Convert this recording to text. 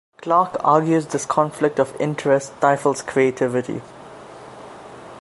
Clarke argues this conflict of interest stifles creativity.